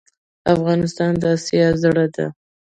افغانستان د اسیا زړه ده